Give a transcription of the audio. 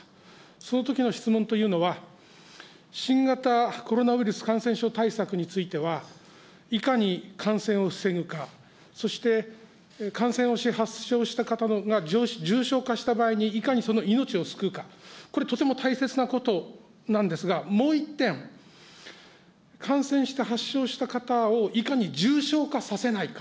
そのときの質問というのは、新型コロナウイルス感染症対策については、いかに感染を防ぐか、そして、感染を発症した方が重症化した場合に、いかにその命を救うか、これ、とても大切なことなんですが、もう一点、感染して発症した方を、いかに重症化させないか。